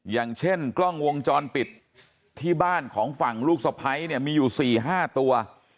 อย่างเช่นกล้องวงจรปิดที่บ้านของฝั่งลูกสะพ้ายเนี่ยมีอยู่๔๕ตัว